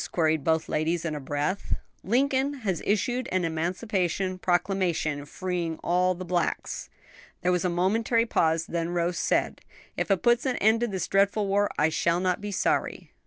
queried both ladies in a breath. "Lincoln has issued an Emancipation Proclamation freeing all the blacks." There was a momentary pause: then Rose said, "If it puts an end to this dreadful war, I shall not be sorry."